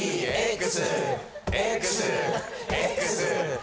Ｘ！